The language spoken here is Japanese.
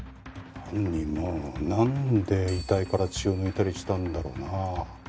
犯人もなんで遺体から血を抜いたりしたんだろうな？